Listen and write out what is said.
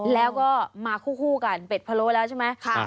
แล้วก็มาคู่กันเป็ดพะโล้แล้วใช่ไหม